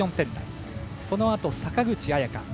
そのあと、坂口彩夏。